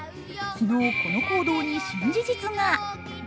昨日、この行動に新事実が。